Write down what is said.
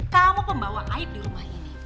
kamu pembawa aib di rumah ini